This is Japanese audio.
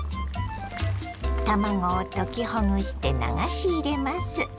卵を溶きほぐして流し入れます。